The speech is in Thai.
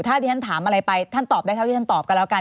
ถ้าที่ฉันถามอะไรไปท่านตอบได้เท่าที่ท่านตอบกันแล้วกัน